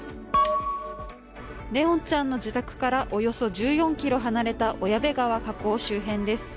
怜音ちゃんの自宅からおよそ１４ｋｍ離れた小矢部川河口周辺です。